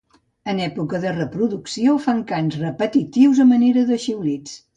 En època de reproducció fan cants repetitius a manera de xiulits.